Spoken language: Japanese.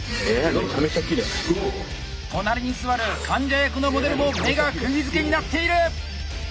隣に座る患者役のモデルも目がくぎづけになっている！